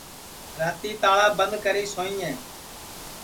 راتی تاݪا بند کری سوئیں